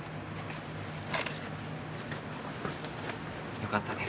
よかったです。